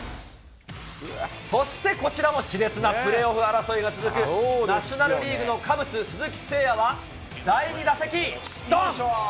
そしてこちらもしれつなプレーオフ争いが続くナショナルリーグのカブス、鈴木誠也は、第２打席。どん。